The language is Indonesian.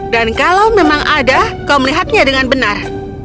dan kalau memang ada kau melihatnya dengan benar